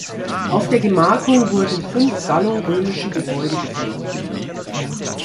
Auf der Gemarkung wurden fünf gallo-römische Gebäude gefunden.